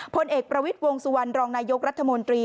พลเอกประวิทย์วงสุวรรณรองนายกรัฐมนตรี